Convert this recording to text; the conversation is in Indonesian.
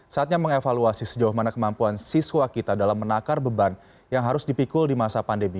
saatnya mengevaluasi sejauh mana kemampuan siswa kita dalam menakar beban yang harus dipikul di masa pandemi